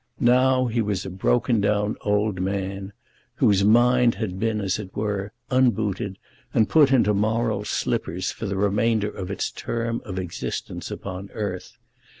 Now he was a broken down old man, whose mind had been, as it were, unbooted and put into moral slippers for the remainder of its term of existence upon earth.